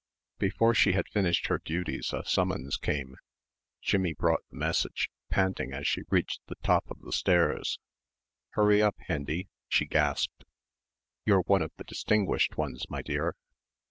Before she had finished her duties a summons came. Jimmie brought the message, panting as she reached the top of the stairs. "Hurry up, Hendy!" she gasped. "You're one of the distinguished ones, my dear!"